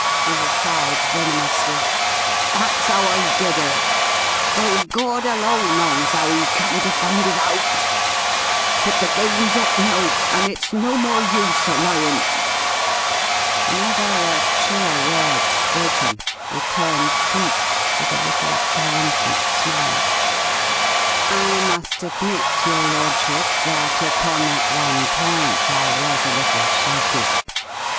he replied venomously. "That's how I did it though Gawd alone knows how he come to find it out! But the game's up now, and it's no more use a lyin'." "Never a truer word spoken," returned Cleek, with a little triumphant smile. "I must admit, your Lordship, that upon that one point I was a little shaky.